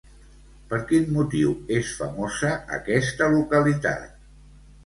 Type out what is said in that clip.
Per quin motiu és famosa aquesta localitat?